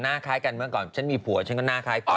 คล้ายกันเมื่อก่อนฉันมีผัวฉันก็หน้าคล้ายผัว